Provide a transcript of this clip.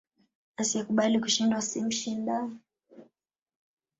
Asiye kubali kushindwa si mshindani